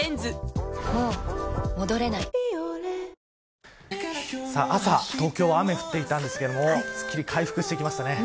わかるぞ朝、東京は雨が降っていたんですけれどもすっきり回復してきました。